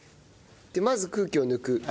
でまず空気を抜く。